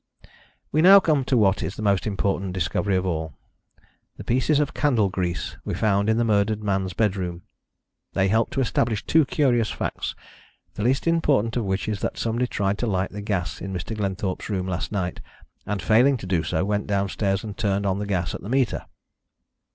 "We now come to what is the most important discovery of all the pieces of candle grease we found in the murdered man's bedroom. They help to establish two curious facts, the least important of which is that somebody tried to light the gas in Mr. Glenthorpe's room last night, and, failing to do so, went downstairs and turned on the gas at the meter."